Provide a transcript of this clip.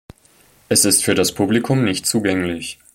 Es ist für das Publikum nicht zugänglich.